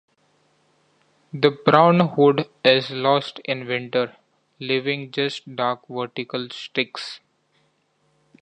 The brown hood is lost in winter, leaving just dark vertical streaks.